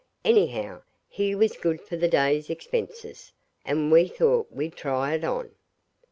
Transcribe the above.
Anyhow, he was good for the day's expenses, and we thought we'd try it on.